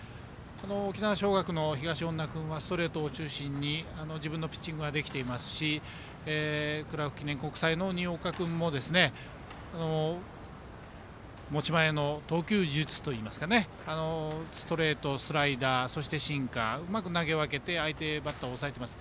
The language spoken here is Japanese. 沖縄尚学の東恩納君はストレートを中心に自分のピッチングができていますしクラーク記念国際の新岡君も持ち前の投球術といいますかストレート、スライダーそしてシンカーうまく投げ分けて相手バッターを抑えてます。